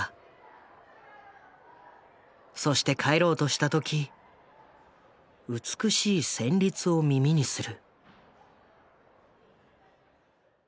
そして帰ろうとした時美しい旋律を耳にする。